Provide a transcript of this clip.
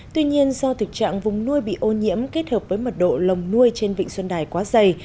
tuy nhiên do thực trạng vùng nuôi bị ô nhiễm kết hợp với mật độ lồng nuôi trên vịnh xuân đài quá dày